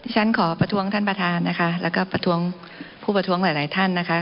ฉันขอประท้วงท่านประธานนะคะแล้วก็ประท้วงผู้ประท้วงหลายหลายท่านนะคะ